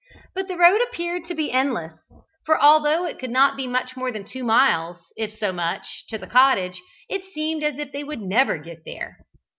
But the road appeared to be endless, for although it could not be much more than two miles, if so much, to the cottage, it seemed as if they would never get there.